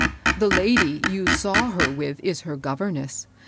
The lady you saw her with is her governess.